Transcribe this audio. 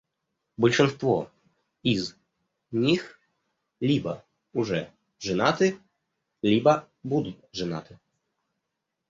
Большинство из них либо уже женаты, либо будут женаты.